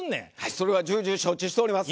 それは重々承知しております。